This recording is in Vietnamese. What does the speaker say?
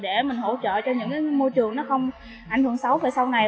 để mình hỗ trợ cho những môi trường nó không ảnh hưởng xấu về sau này